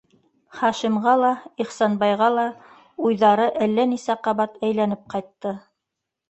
Хашимға ла, Ихсанбайға ла уйҙары әллә нисә ҡабат әйләнеп ҡайтты.